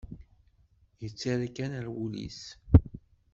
Yettarra kan ar wul-is.